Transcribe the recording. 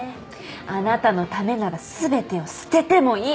あなたのためなら全てを捨ててもいい。